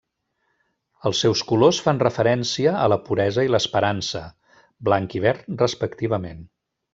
Els seus colors fan referència a la puresa i l'esperança, blanc i verd respectivament.